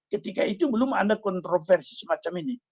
ketika itu belum ada kontroversi semacam ini